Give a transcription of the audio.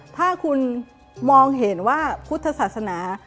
ถ้าคุณมองเห็นว่าพุทธศาสนา